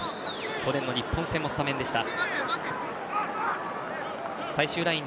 去年の日本戦もスタメンでした。